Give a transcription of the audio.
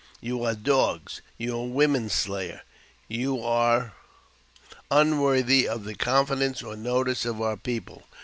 You are dogs — you are women slayers — you are unworthy of the confidence or notice of our people.